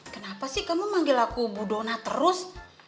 kenapa sih kamu manggil aku bu dona terus